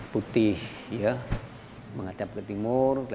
putih menghadap ke timur